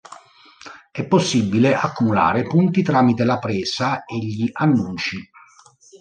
È possibile accumulare punti tramite la "presa" e gli "annunci".